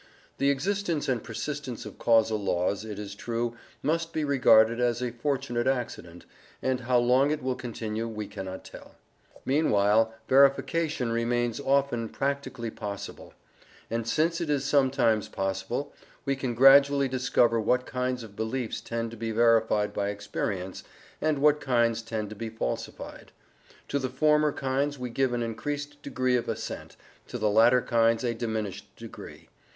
The existence and persistence of causal laws, it is true, must be regarded as a fortunate accident, and how long it will continue we cannot tell. Meanwhile verification remains often practically possible. And since it is sometimes possible, we can gradually discover what kinds of beliefs tend to be verified by experience, and what kinds tend to be falsified; to the former kinds we give an increased degree of assent, to the latter kinds a diminished degree.